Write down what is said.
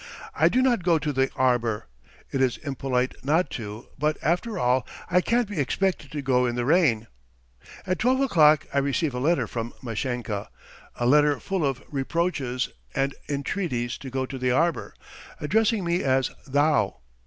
I do not go to the arbour. It is impolite not to, but, after all, I can't be expected to go in the rain. At twelve o'clock I receive a letter from Mashenka, a letter full of reproaches and entreaties to go to the arbour, addressing me as "thou."